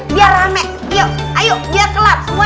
biar rame ayo biar kelam